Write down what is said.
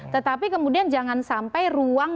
tetapi kemudian jangan sampai ruang